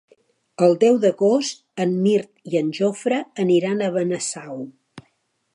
El deu d'agost en Mirt i en Jofre aniran a Benasau.